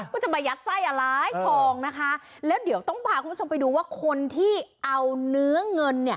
ว่าจะมายัดไส้อะไรทองนะคะแล้วเดี๋ยวต้องพาคุณผู้ชมไปดูว่าคนที่เอาเนื้อเงินเนี่ย